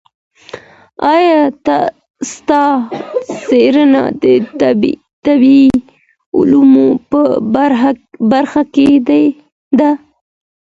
ایا ستا څېړنه د طبعي علومو په برخه کي ده؟